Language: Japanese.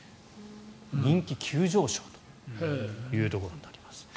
人気急上昇というところになります。